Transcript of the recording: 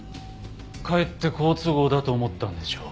かえって好都合だと思ったんでしょう。